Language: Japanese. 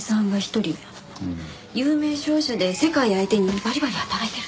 有名商社で世界相手にバリバリ働いてるって。